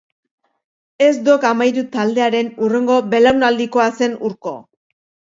Ez Dok Amairu taldearen hurrengo belaunaldikoa zen Urko.